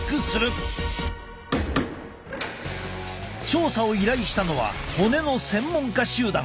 調査を依頼したのは骨の専門家集団。